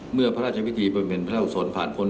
เมื่อพระราชวิธีบริเวณพระอุศลภาคพล